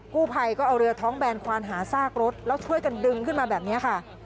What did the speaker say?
กู้ภัยก็เอาเรือท้องแบนควานหาซากรถแล้วช่วยกันดึงขึ้นมาแบบนี้ค่ะ